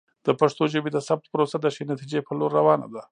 د پښتو ژبې د ثبت پروسه د ښې نتیجې په لور روانه ده.